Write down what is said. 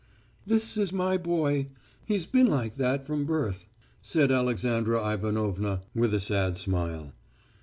_ "'This is my boy, he's been like that from birth,' said Alexandra Ivanovna with a sad smile.